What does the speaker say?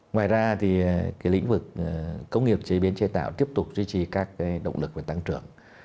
ngoài ra thì cái lĩnh vực công nghiệp chế biến chế tạo tiếp tục duy trì các cái động lực và tăng trưởng